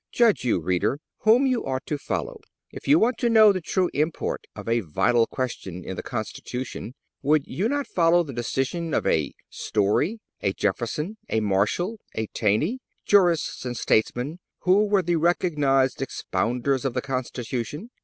Judge you, reader, whom you ought to follow. If you want to know the true import of a vital question in the Constitution, would you not follow the decision of a Story, a Jefferson, a Marshall, a Taney, jurists and statesmen, who were the recognized expounders of the Constitution?